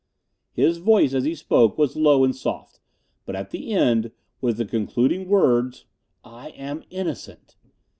His voice as he spoke was low and soft; but at the end, with the concluding words, "I am innocent!"